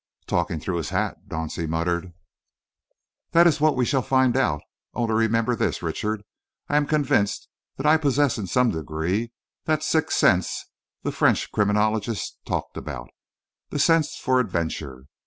"Talking through his hat," Dauncey muttered. "That is what we shall find out. Only remember this, Richard. I am convinced that I possess in some degree that sixth sense the French criminologist talked about, the sense for Adventure.